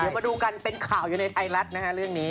มาดูกันเป็นข่าวอยู่ในไทยรัฐนะฮะเรื่องนี้